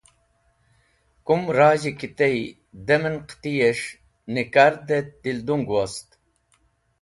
Kum razhi ki tey, dam en qitiyes̃h nnikard et dildung wost.